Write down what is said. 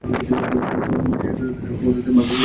যোগী তখন নিজের যথার্থ স্বরূপ অর্থাৎ ভাগবত সত্তা উপলব্ধি করেন।